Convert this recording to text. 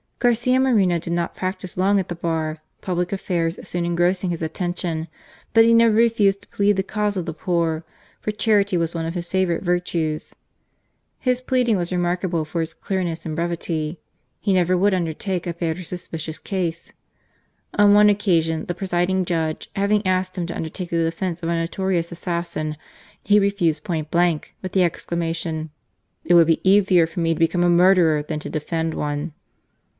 Garcia Moreno did not practise long at the Bar, public affairs soon engrossing his attention ; but he never refused to plead the cause of the poor, for charity was one of his favourite virtues. His pleading was remarkable for its clearness and brevity. He never would undertake a bad or suspicious case. On one occasion the presiding judge having asked him to undertake the defence of a notorious assassin, he refused point blank, with the exclamation : "It would be more easy for me to become a murderer than to defend one